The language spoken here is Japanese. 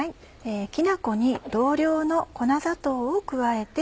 きな粉に同量の粉砂糖を加えて。